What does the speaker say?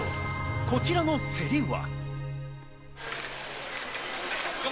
こちらの競りは。